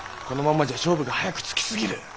このままじゃ勝負が早くつきすぎる。